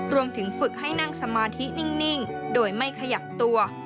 ฝึกให้นั่งสมาธินิ่งโดยไม่ขยับตัว